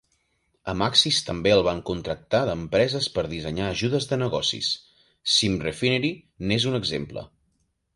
A Maxis també el van contactar empreses per dissenyar ajudes de negocis; "SimRefinery", n'és un exemple.